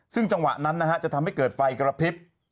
ซึ่งจังหวะนั้นจะทำให้เกิดไฟกระพริบ